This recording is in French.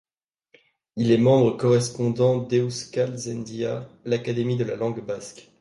Il est membre correspondant d'Euskaltzaindia, l'Académie de la langue basque.